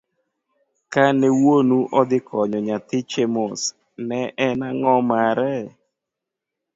Kane wuonu odhi konyo nyathi Chemos, ne en ango' mare?